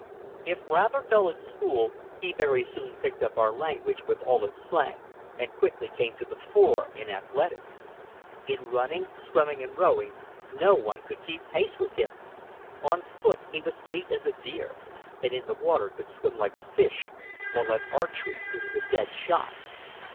If rather dull at school, he very soon picked up our language with all its slang, and quickly came to the fore in athletics. In running, swimming and rowing no one could keep pace with him. On foot he was fleet as a deer, and in the water could swim like a fish, while at archery he was a dead shot.